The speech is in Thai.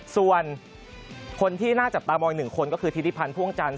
ส่วนคนที่น่าจับตามองอีก๑คนก็คือธิริพันธ์พ่วงจันท